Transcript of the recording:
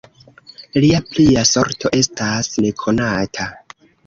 Lia plia sorto estas nekonata.